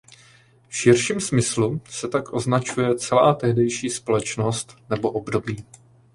V širším smyslu se tak označuje celá tehdejší společnost nebo období.